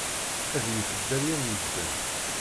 Ad yif dderya n medden.